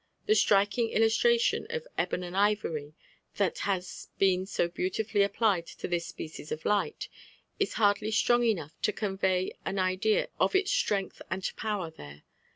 The striking illustration of '' ebon and ivory" that has been so beautifully applied to this species of light, is hardly strong enough to convey an idea of its strength and power there.